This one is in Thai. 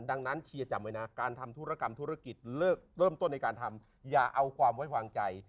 ดังนั้นเชียร์จำไว้นะการทำธุรกรรมธุรกิจเลิกเริ่มต้นในการทำอย่าเอาความไว้วางใจ